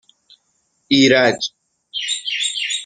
ایرج